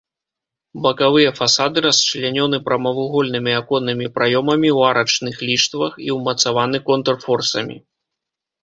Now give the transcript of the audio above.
Бакавыя фасады расчлянёны прамавугольнымі аконнымі праёмамі ў арачных ліштвах і ўмацаваны контрфорсамі.